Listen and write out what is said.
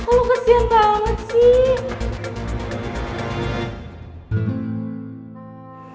kok lo kesian banget sih